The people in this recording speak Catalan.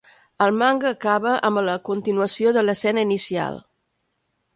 El manga acaba amb la continuació de l'escena inicial.